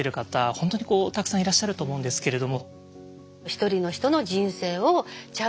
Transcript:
本当にたくさんいらっしゃると思うんですけれども。